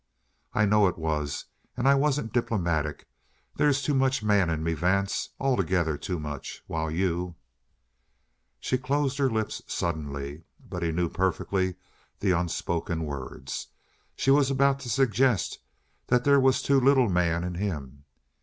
"I know it was. And I wasn't diplomatic. There's too much man in me, Vance. Altogether too much, while you " She closed her lips suddenly. But he knew perfectly the unspoken words. She was about to suggest that there was too little man in him.